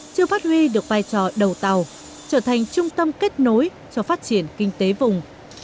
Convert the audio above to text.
chưa phát huy được vai trò đầu tàu trở thành trung tâm kết nối cho phát triển kinh tế vùng